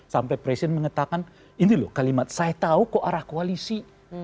sampai presiden mengatakan ini loh kalimat saya tahu kok arah koalisi